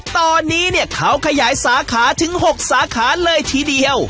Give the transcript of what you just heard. ตอนนี้เนี่ยเขาขยายสาขาถึง๖สาขาเลยทีเดียว